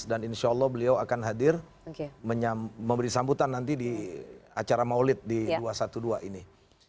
dan insya allah beliau akan hadir memberi sambutan nanti di acara maulid di dua ratus dua belas ini